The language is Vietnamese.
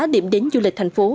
điểm đến du lịch thành phố